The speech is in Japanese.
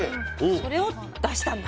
それを出したんだ。